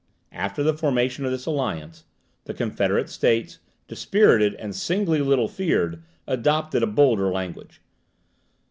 After the formation of this alliance, the confederate states, dispirited, and singly, little feared, adopted a bolder language.